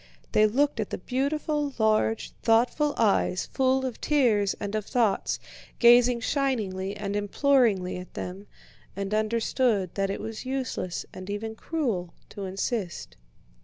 They looked at the beautiful, large, thoughtful eyes full of tears and of thoughts, gazing shiningly and imploringly at them, and understood that it was useless and even cruel to insist.